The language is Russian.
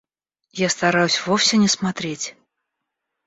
Я стараюсь вовсе не смотреть.